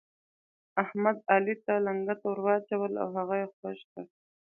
احمد، علي ته لنګته ور واچوله او هغه يې خوږ کړ.